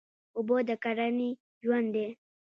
اوبه د کرنې ژوند دی.